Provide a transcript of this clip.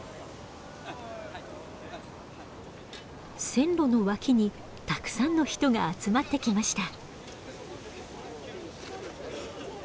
線路の脇にたくさんの人が集まってきました。